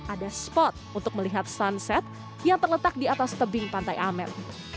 ada spot untuk melihat sunset yang terletak di atas tebing pantai amel